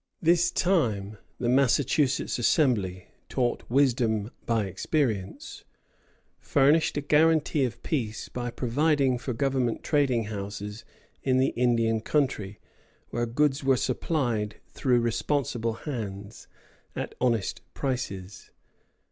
This time the Massachusetts Assembly, taught wisdom by experience, furnished a guarantee of peace by providing for government trading houses in the Indian country, where goods were supplied, through responsible hands, at honest prices.